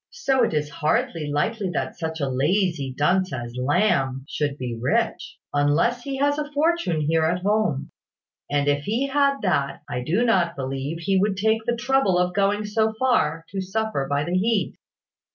So it is hardly likely that such a lazy dunce as Lamb should be rich, unless he has a fortune here at home; and if he had that, I do not believe he would take the trouble of going so far, to suffer by the heat."